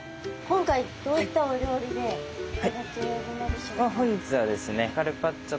今回どういったお料理で頂けるのでしょうか？